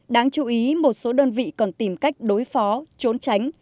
đáng chú ý một số đơn vị còn tìm cách đối phó trốn tránh